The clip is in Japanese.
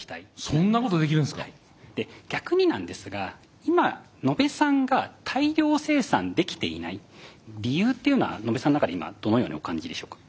そんなことできるんすか⁉で逆になんですが今野部さんが大量生産できていない理由っていうのは野部さんの中で今どのようにお感じでしょうか？